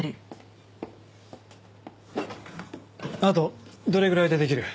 あとどれぐらいでできる？